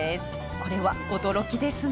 これは驚きですね。